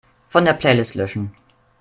Von der Playlist löschen.